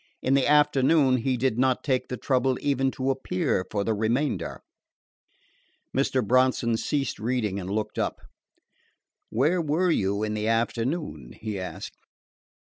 In the afternoon he did not take the trouble even to appear for the remainder." Mr. Bronson ceased reading and looked up. "Where were you in the afternoon?" he asked.